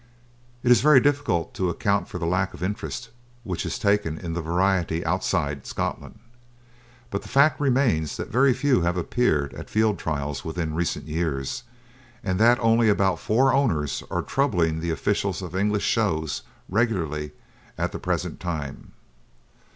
It is very difficult to account for the lack of interest which is taken in the variety outside Scotland, but the fact remains that very few have appeared at field trials within recent years, and that only about four owners are troubling the officials of English shows regularly at the present time.